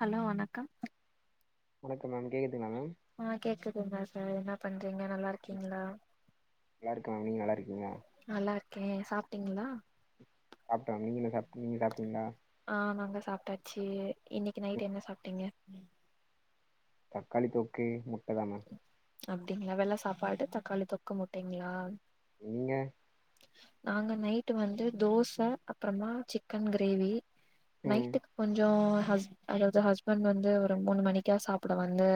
Hello வணக்கம் வணக்கம் ma'am கேக்குதுங்களா மேம் ஆ கேக்குதுங்களா சார் என்ன பண்றீங்க நல்லா இரு நல்லா இருக்கே நீங்க நல்லா இருக்கீங்க நல்லா இருக்கே சாப்ட்டிங்களா சாப்ட்ட நீங்களு சாப் நீங்க சாப்டிங்களா ஆ நாங்க சாப்பட்டாச்சி இன்னைக்கி நைட்டு என்ன சாப்ட்டீங்க தக்காளி தொக்கு முட்ட தா மேம் அப்டிங்களா வெள்ள சாப்பாடு தக்காளி தொக்கு முட்டைங்களா நீங்க நாங்க நைட்டு வந்து தோச அப்புறமா சிக்கன் கிரேவி ம் நைட்டுக்கு கொஞ்சோ ஹஸ் அதாவது ஹஸ்பண்ட் வந்து ஒரு மூணு மணிக்கா சாப்பட வந்து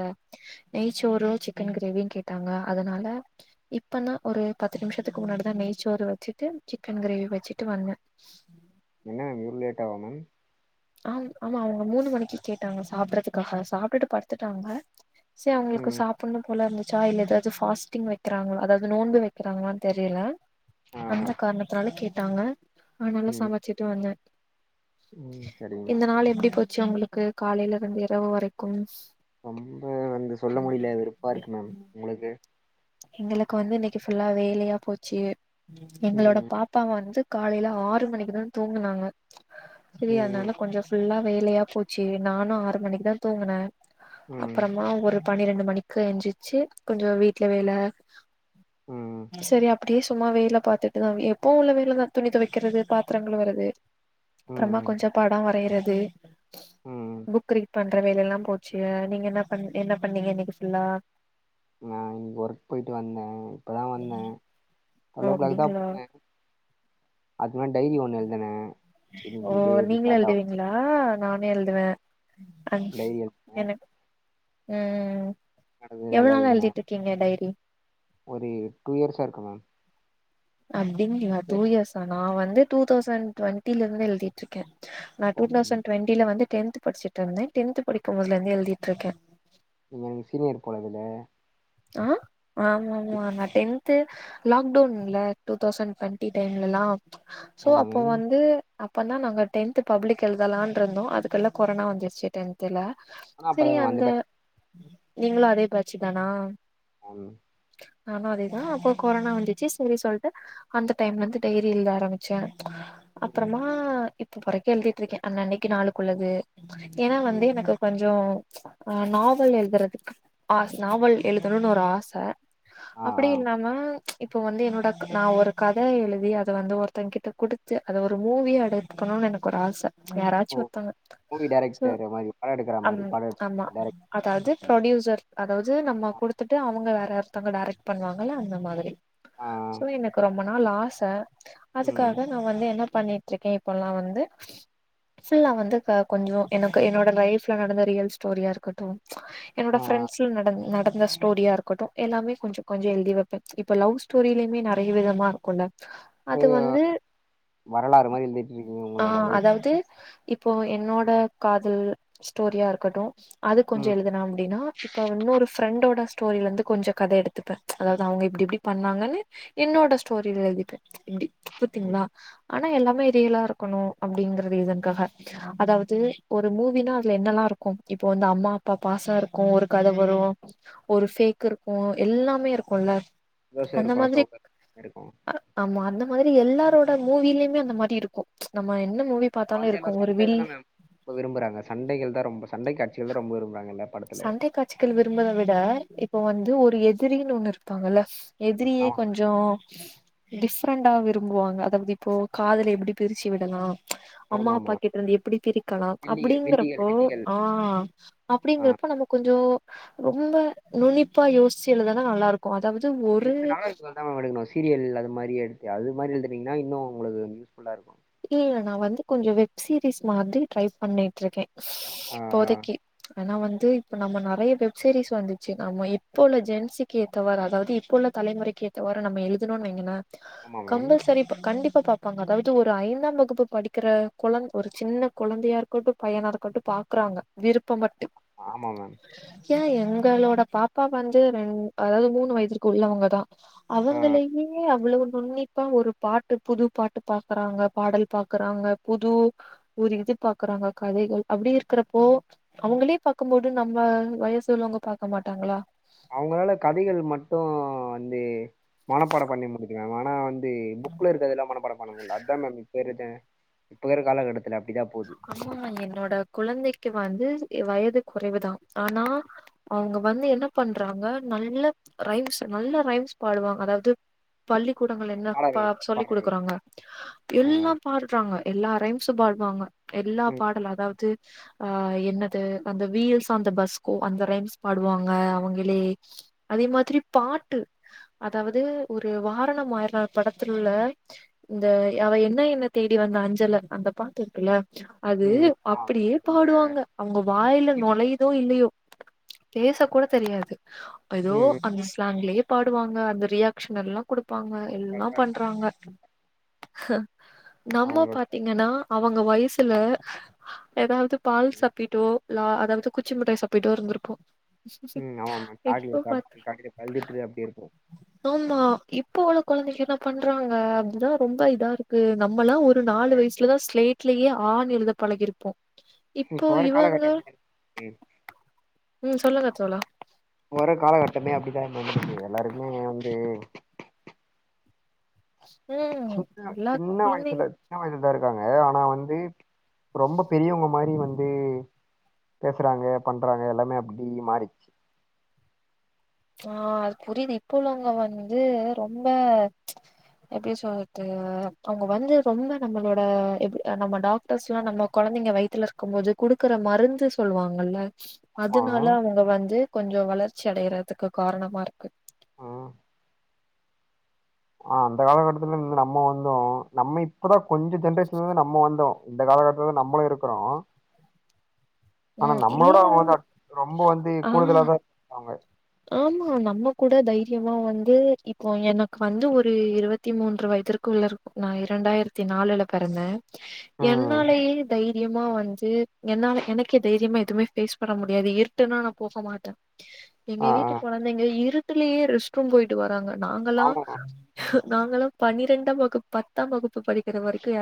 நெய்சோறு சிக்கன் கிரேவியு கேட்டாங்க அதனால இப்பன்னா ஒரு பத்து நிமிஷத்துக்கு முன்னாடிதா நெய்ச்சோறு வச்சிட்டு சிக்கன் கிரேவி வச்சிட்டு வந்த என்னா இவ்லேட்டாவா மேம் ஆ ஆமா அவங்க மூணு மணிக்கு கேட்டாங்க சாப்பட்றதுக்காக சாப்ட்டுட்டு படுத்துட்டாங்க சோ அவங்களுக்கு ம் சாப் ண்ணு போல இருந்துச்சா இல்ல எ எதாவது பாஸ்டிங் வைக்கிறாங்களா அதாவது நோன்பு வைக்கிறாங்களான்னு தெரில ஆ ஆ அந்த காரணத்தனால கேட்டாங்க அதனால ம் சமச்சுட்டு வந்த ம் சரிங்க இந்த மேம் நாள் எப்டி போச்சு உங்களுக்கு காலையில இருந்து இரவு வரைக்கும் ரொம்ப வந்து சொல்ல முடில வெருப்பா இருக்கு மேம் உங்களுக்கு எங்களுக்கு வந்து இன்னைக்கு ஃபுல்லா வேலையா போச்சு எங்களோட ம் பா அப்பா வந்து காலையில ஆறு மணிக்கு தா தூங்கனாங்க சரி ம் அதனால கொஞ்சோ ஃபுல்லா வேலையா போச்சு நானு ஆறு மணிக்கு தா தூங்கன ம் அப்பறமா ஒரு பன்னிரெண்டு மணிக்கு எஞ்சிச்சு கொஞ்ச வீட்ல வேல ம் சரி அப்டியே சும்மா வேல பாத்துட்டுதா எப்பவு உள்ள வேலதா துணி துவைக்கிறது பாத்தரோ கழுவுறது அப்புறமா ம் கொஞ்ச பட வரையறது ம் புக் ரீட் பண் ற வேல எல்லா போச்சு நீங்க என்ன ப என்ன பண்ணீங்க இன்னைக்கு ஃபுல்லா நா ஒர்க் போய்ட்டு வந்த இப்பதா வந்த டொல் ஓ கிளாக் தா போன அதுக்கு மே டைரி ஒண்ணு எழுதுன ஓ நீங்கள எழுதிவீங் வ நானே எழுதுவ டைரி எழுதுனே எனக் ம் நடந்தது எவ்ளோ எல்லா நாளா எழுதுனே எழுதிட்டு இருக்கீங்க டைரி ஒரு டூ இயர்ஸா இருக்கு மேம் அப்டின் டூ ஓ இயர்ஸா நா வந்து டூ தௌசண்ட் டுவெண்டில இருந்து எழுதிட்டு இருக்கே நா தௌசண்ட் நீங்க டுவெண்ட்டில வந்துடென் படிச்சுட்டு இருந்த டென்த் படிக்கும்போதுலந்தே எழுதிட்டு இருக்கே நீங்க எனக்கு சீனியர் போலவேல ஆ ஆமா ஆமா நான் டென்து லாக்டவுன்ல்ல டூ தௌசண்ட் டுவென்டி டைம் லல்லா சோ ஆமா அப்போ மேம் வந்து அப்ப தா நாங்க டென்த் பப்ளிக் எழுதலான் இருந்தோ அதுக்குல்ல கொரனா வந்துருச்சு டென் துல ஆனா அப்பதா சரி மேம் அந்த பேட்ச் நீங்களு அதே பேச்சு தானா ஆம் நானு அதேதா அப்போ கொரோனா வந்துச்சு சரி சொல்ட்டு அந்த டைம்ல இருந்து டைரி எழுத ஆரம்பிச்ச ம் அப்புறமா இப்ப பறைக்க எழுதிட்டு இருக்க அன் அன்னைக்கு நாளுக்குள்ளது ஏன்னா வந்து ம் எனக்கு நாவல் எழுதுறதுக்கு நாவல் எழுதணுனு ஒரு ஆச ஆ அப்டி ஆ இல்லாம இப்போ வந்து என்னோட நா ஒரு கத எழுதி அத வந்து ஒருத்தங்க கிட்ட குடுத்து அத ஒரு மூவியா எடு க்கணுனு எனக்கு ஒரு ஆச யாராச்சு ஓ ஒருத்தாங்க மூவி சோ டைரக்டர் மாரி படோ எடுக்கற அம் மாரி படோ ஆமா டைரக்ட் அதாவது ப்ரொடியூசர் அதாவது நம்ம குடுத்துட்டு அவங்க வேற ஒருத்தவங்க டேரெக்ட் பண்ணுவாங்கல்ல அந்த மாதிரி ஆ ஆ. சோ எனக்கு ரொம்ப நாள் ஆச ம் அதுக்காக நா வந்து என்ன பண்ணிட்டு இருக்கே இப்பல்லா வந்து ஃபுல்லா வந்து க கொஞ்ச எனக்கு என்னோட லைஃப்ல நடந்த ரியல் ஸ்டோரியா இருக்கட்டு ஆ என்னோடா ஃபிரண்ட்ஸ் நட நட இந்த ஸ்டோரியா இருக்கட்டு எல்லாமே கொஞ்ச கொஞ்ச எழுதி வைப்பே இப்ப லவ் ஸ்டோரியிலயுமே நெறைய விதமா இருக்குல்ல சோ அது வந்து வரலாறு மாரி எழுதிட்டு இருக்கீங்க ஆ உங்களோட லைஃப் அதாவது இப் போ என்னோட காதல் ஸ்டோரியா இருக்கட்டு அது கொஞ்ச ம் எழுதினா அப்டின்னா இப்ப இன்னொரு ஃப்ரெண்டோட ஸ்டோரியில இருந்து கொஞ்ச கத எடுத்துப்பே அதாவது அவங்க இப்டி இப்டி பண்ணாங்கன்னு என்னோட ஸ்டோரியில எழுதிப்பே இப்டி ம் புத்தீங்களா ஆனா எல்லாமே ரியல்லா இருக்கணு அப்டிங்கற ரீசனுக்காக அதாவது ஒரு மூவினா அதுல என்னல்லா இருக்கு இப்போ வந்து அம்மா அப்பா பாசோ இருக்கு ஒரு கத வரு ஒரு ஃபேக் இருக்கு எல்லாமே இருக்குல சந்தோஷோ அந்த இருக்கு மாதிரி சோக இருக்கு அ ஆமா அந்த மாதிரி எல்லாரோட மூவிலயுமே அந்த மாரி இருக்கு நம்ம என்ன மூவி பாத்தாலே வந்து எல்லா இருக்கு ஒரு சண்ட வில் தான மேம் இப்ப விரும்புறாங்க சண்டைகள் தா ரொம்ப சண்டை காட்சிகள் தா ரொம்ப விரும்புறாங்க எல்லாரு சண்டை காட்சிகள் விரும்புவதை விட இப்ப வந்து ஒரு எதிரின்னு ஒண்ணு இருப்பாங்கல்ல எதிரியே ஆமா மேம். கொஞ்ச சோ டிஃப்ரெண்டா விரும்புவாங்க அதாவது இப்போ காதல எப்டி பிரிச்சு விடலா அம்மா அப்பா ஆமாமா கிட்ட இருந்து எப்டி பிரிக்கலா வில்லிகள் வில்லிகள் அப்டிங்கிறப்போ வில்லிகள் ஆ ஆ அப்டிங்கற போ கொஞ்சோ ரொம்ப நுனிப்பா யோசிச்சு எழுத தா நல்லா இருக்கு அதாவது ஒரு அப்டி இருந்து நல்லா இருக்க தா மேடம் எடுக்கணு சீரியல் அது மாரி எடுத்து அது மாரி எழுதனீங்கன்னா இன்னு உங்களுக்கு யூஸ் ஃபுல்லா இருக்கு இல்ல நா வந்து கொஞ்சோ வெப் சீரிஸ் மாரி ட்ரை பண்ணிட்டு இருக்கே ஆ ஆ இப்போதைக்கி ஆனா வந்து இப்ப நம்ம நெறைய வெப்சீரிஸ் வந்துச்சு நம்ம இப்போ ஜென்சிக்கு ஏத்தவாரு அதாவது இப்போ உள்ள தலைமுறை க்கே ஏத்தவாறு நம்ம எழுதணோன்னு வைங்களே ஆமா மேம் கம்பல்சரி கண்டிப்பா பாப்பாங்க அதாவது ஒ ரு ஐந்தாம் வகுப்பு படிக்கிற கொழந்த ஒரு சின்ன கொழந்தையா இருக்கட்டு பையன இருக்கட்டு பாக்குறாங்க விருபப்பட்டு ஆமா மேம் ஏ எங்களோட பாப்பா வந்து ரெண் அதாவது மூணு வயதுக்கு உள்ளவங்க தா ஆ அவங்களையே அவ்வளவு நுன்னிப்பா ஒரு பாட்டு புது பாட்டு பா க்கறாங்க பாடல் பாக்கறாங்க புது ஒரு இது பாக்கறாங்க கதைகள் அப்டி இருக்கறப்போ அவங்களே பாக்கும் போது நம்ம வயசு உள்ளவங்க பாக்க மாட்டாங்களா அவங்களால கதைகள் மட்டு வந்து மனப்பாடம் பண்ணி முடிக்கறாங்க ஆனா வந் து புக் ல இருக்கதெல்லா மனப்பாடம் பண்ண முடில அது தா மேம் இப்ப இருக்க ஜெ இப்ப இருக்கர காலகட்டத்து அப்டி தா போகுது ஆமாமா என்னோட குழந்தைக்கு வந்து வயது குறைவு தா ஆனா அவங்க வந்து என்ன பண்றாங்க நல்ல ரைம்ஸ் நல்ல ரைம்ஸ் பாடுவாங்க அதாவது பள்ளிக்கூடங்கள் என்ன பா பாடல்கள் சொல்லி் பாடல்கள் குடுக்குறாங்க ஆ எல்லா பாடுறாங்க எல்லா ரைம்சு பாடுவாங்க எல்லா ம் பாடல் அதாவது ஆ என்னது அந்த வீல்ஸ் ஆன் த ஸ் கோ அந்த ரைம்ஸ் பாடுவாங்க அவங்களே அதே மாதிரி பாட்டு அதாவது ஒரு வாரணம் ஆயிர படத்துல உள்ள இந்த அவ என்ன என்ன தேடி வந்த அஞ்சல அந்த பாட்டுருக்குள்ள அது ம் ஆ அப்டியே ரொம்ப பாடுவாங்க அவங்க வாயில நுழையுதோ இல்லயோ பேச கூட தெரியாது ஏதோ ம் ம் அந்த ஸ்லாங்கலயே பாடுவாங்க அந்த ரியாக்ஷனலாம் கொடுப்பாங்க ரொம்ப எல்லா அழகா பண்றாங்க இருக்காங்க நம்ம அவங்களோட பாத்தீங்கன்னா அவங்க வயசுல ஏதாவது பால் சப்பிட்டோ இல்ல அதாவது குச்சி மிட்டாய் சப்பிட்டோ இருந்திருப்போம் ம் ஆமா ஆமா சாக்லேட் சாப்ட்டு அழுதுட்டு அப்டி இருக்கும். ஆமா இப்ப உள்ள கொழந்தைக்கு என்ன பண்றாங்க அப்டினா ரொம்ப இதா இருக்கு நம்மலா ஒரு நாலு வயசுலதா ஸ்லேட்லேயே ஆ னு எழுத பழகியிருப்போ இப்ப வர காலகட்டோ அப்டிங்க ம். ம் சொல்லுங்க தோழா இப்ப வர காலகட்டமே அப்டிதா என்னமோ எல்லாருக்குமே வந்து ம். [unintelligible] எல்லா சின்ன குழந்தைங்க வயசுலதா இருக்காங்க ஆனா வந்து ரொம்ப பெரியவங்க மாரி வந்து பேசுறாங்க பண்றாங்க எல்லாமே அப்டி மாரிருச்சு ஆ அது புரிது இப்ப உள்ளவங்க வந்து ரொம்ப எப்டி சொல்றது அவங்க வந்து ரொம்ப நம்மளோட எப் ஆ நம்மளோட ஃபஸ்டுலா நம்ம கொழந்தைங்க வயித்துல இருக்கும்போது குடுக்குற மருந்து சொல்லுவாங்கல்ல ஆமா அதனால அவங்க வந்து கொஞ்ஜோ வளர்ச்சி அடைறதுக்கு காரணமா இருக் ஆ ஆ அந்த காலகட்டத்துலந்து நம்ம வந்தோ நம்ம இப்பதா கொஞ்ஜோ ஜென்ரேஷன்லருந்து நம்ம வந்தோ இந்த காலகட்டத்துலதா நம்மளு இருக்குறோ ஆனா ம் இல்ல நம்மளவிட அவங்க வந்து ரொம்ப வந்து ஆ கூடுதலாதா இருக்குராங்க ஆமா நம்ம கூட தைரியமா வந்து இப்போ எனக்கு வந்து ஒரு இருவத் இருவத்தி மூன்று வயதிற்கு உள்ள இருக்கு நா இரண்டாயிரத்தி நாலுல பிறந்தே ம் என்னாலேயே தை ரியமா வந்து என்னால எனக்கே தைரியமா எதுவுமே ஃபேஸ் பண்ண முடியாது இருட்டுன்னா நா போக மாட்டே எங்க ஆ ஆ வீட்டு கொழந்தைங்க இருட்டுலேயே ரெஸ்ட் ரூம் போயிட்டு வராங்க நாங்கல்லா ஆமா நாங்களா பன்னிரெண்டாம் வகுப்பு பத்தாம் வகுப்பு படிக்கிற வரைக்கு யாரா